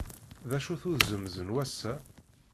D acu-t uzemz n wass-a?